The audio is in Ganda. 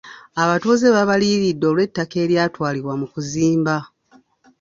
Abatuuze baabaliyiridde olw'ettaka eryatwalibwa mu kuzimba.